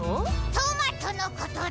トマトのことだ。